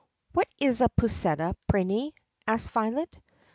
"What is a pusseta, Prinny?" asked Violet.